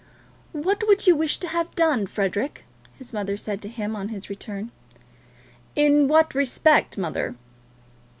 "What would you wish to have done, Frederic?" his mother said to him on his return. "In what respect, mother?"